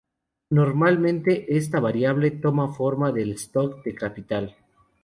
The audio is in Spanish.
Normalmente, esta variable toma la forma del stock de capital.